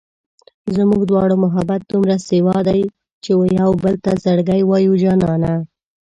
زموږ دواړو محبت دومره سېوا دی چې و يوبل ته زړګی وایو جانانه